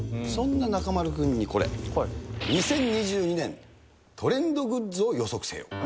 そんな中丸君にこれ、２０２２年トレンドグッズを予測せよ！